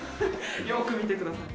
よーく見てください。